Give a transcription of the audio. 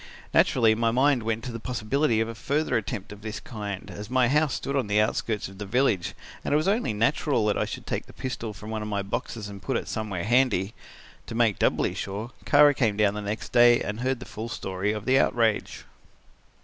Naturally my mind went to the possibility of a further attempt of this kind, as my house stood on the outskirts of the village, and it was only natural that I should take the pistol from one of my boxes and put it somewhere handy. To make doubly sure, Kara came down the next day and heard the full story of the outrage.